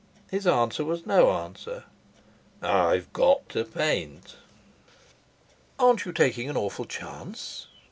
His answer was no answer. "I've got to paint." "Aren't you taking an awful chance?"